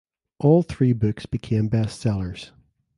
All three books became bestsellers.